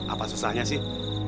apa susahnya sih